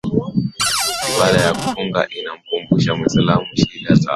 ibada ya funga inamkumbusha muislamu shida na taabu